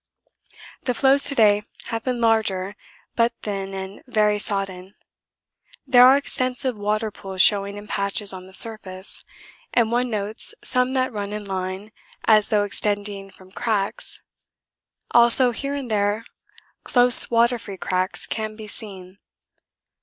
The floes to day have been larger but thin and very sodden. There are extensive water pools showing in patches on the surface, and one notes some that run in line as though extending from cracks; also here and there close water free cracks can be seen.